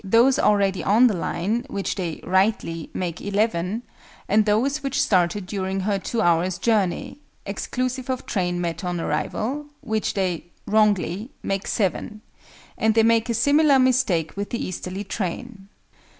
those already on the line, which they (rightly) make "11," and those which started during her 2 hours' journey (exclusive of train met on arrival), which they (wrongly) make "7"; and they make a similar mistake with the easterly train.